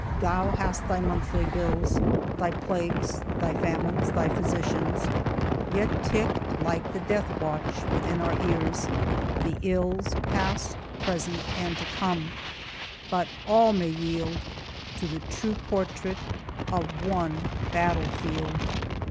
Thou hast thy monthly bills, Thy plagues, thy famines, thy physicians, yet tick, Like the death watch, within our ears the ills Past, present, and to come; but all may yield To the true portrait of one battlefield."